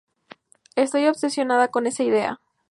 Estoy obsesionada con esa idea".